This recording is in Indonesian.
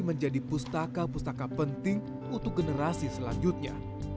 menjadi pustaka pustaka penting untuk generasi selanjutnya